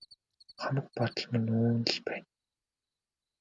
Хамаг гомдол минь үүнд л байна.